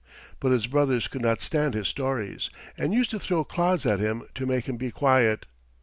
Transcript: But his brothers could not stand his stories, and used to throw clods at him to make him be quiet.